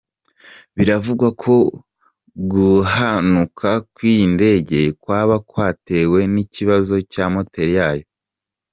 Biravugwa ko guhanuka kw’iyi ndege kwaba kwatewe n’ikibazo cya moteri yayo.